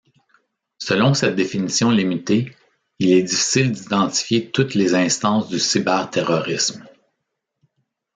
Selon cette définition limitée, il est difficile d'identifier toutes les instances du cyberterrorisme.